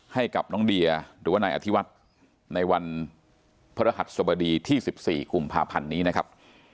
ให้กับน้องเดียหรือว่านายอธิวัฒน์ในวันพระรหัสสบดีที่๑๔กุมภาพันธ์นี้นะครับ